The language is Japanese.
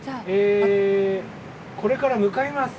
これから向かいます。